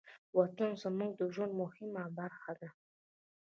وطن زموږ د ژوند مهمه برخه ده.